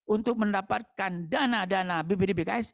untuk mendapatkan dana dana bpdbks